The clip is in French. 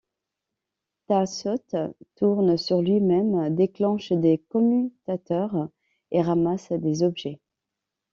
Taz saute, tourne sur lui-même, déclenche des commutateurs et ramasse des objets.